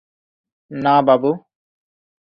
না, বাবু।